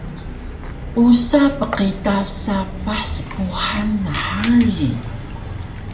Usa pqita sapah spuhan nhari